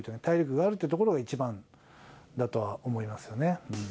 体力があるってところが一番だとは思いますよね。